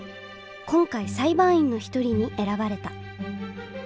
今回裁判員の一人に選ばれた。